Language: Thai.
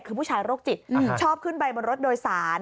คือผู้ชายโรคจิตชอบขึ้นไปบนรถโดยสาร